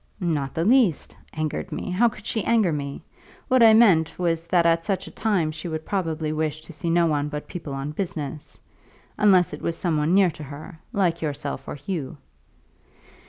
"Not in the least. Angered me! How could she anger me? What I meant was that at such a time she would probably wish to see no one but people on business, unless it was some one near to her, like yourself or Hugh."